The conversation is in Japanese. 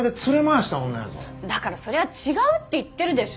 だからそれは違うって言ってるでしょ。